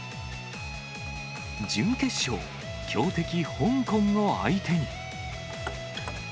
準決勝、強敵、香港を相手に。